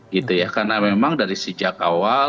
karena memang dari sejak awal